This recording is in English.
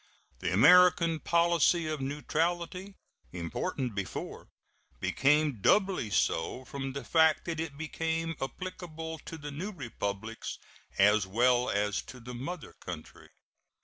The American policy of neutrality, important before, became doubly so from the fact that it became applicable to the new Republics as well as to the mother country.